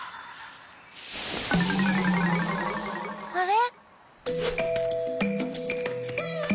あれ？